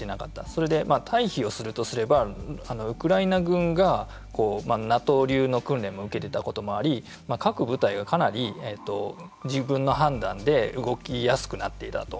それで退避をするとすればウクライナ軍がＮＡＴＯ流の訓練を受けていたこともあり各部隊がかなり自分の判断で動きやすくなっていたと。